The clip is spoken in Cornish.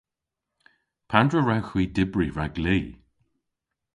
Pandr'a wrewgh hwi dybri rag li?